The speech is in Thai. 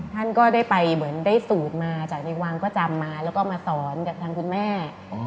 ท่านก็ได้สูตรมาจากในวังก็จำมาแล้วก็มาสอนกับทางคุณแม่